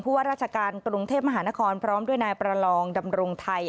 ว่าราชการกรุงเทพมหานครพร้อมด้วยนายประลองดำรงไทย